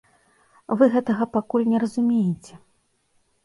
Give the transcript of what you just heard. Вы гэтага пакуль не разумееце.